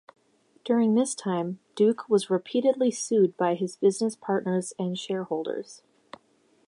During this time, Duke was repeatedly sued by business partners and shareholders.